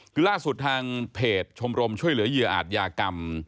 คือล่าสุดทางเพจชมรมช่วยเหลือเหยื่ออาจยากรรม